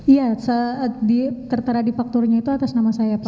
iya tertera di faktornya itu atas nama saya pak